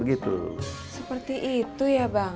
itu ya bang